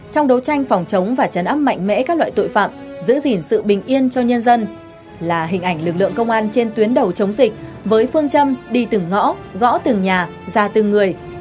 trong đấu tranh phòng chống và chấn áp mạnh mẽ các loại tội phạm giữ gìn sự bình yên cho nhân dân là hình ảnh lực lượng công an trên tuyến đầu chống dịch với phương châm đi từng ngõ gõ từng nhà ra từng người